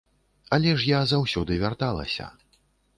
Але ж я заўсёды вярталася.